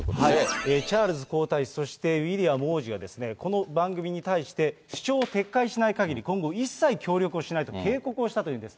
チャールズ皇太子、そしてウィリアム王子が、この番組に対して、主張を撤回しないかぎり、今後一切協力をしないと警告をしたというんです。